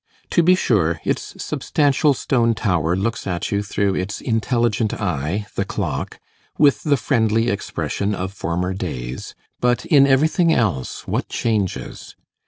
To be sure, its substantial stone tower looks at you through its intelligent eye, the clock, with the friendly expression of former days; but in everything else what changes!